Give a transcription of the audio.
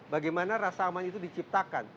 bagaimana rasa aman itu diciptakan